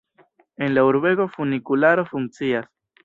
En la urbego funikularo funkcias.